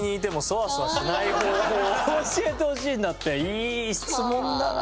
いい質問だな！